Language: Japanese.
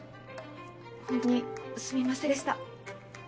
ホントにすみませんでした！